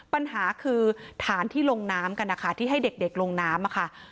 ปัญหาคือฐานที่ลงน้ำกันนะคะที่ให้เด็กลงน้ำค่ะ